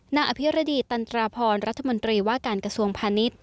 อภิรดีตันตราพรรัฐมนตรีว่าการกระทรวงพาณิชย์